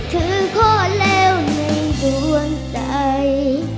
ถือโคตรเลวในตัวใจ